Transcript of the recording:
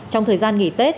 trong thời gian nghỉ tết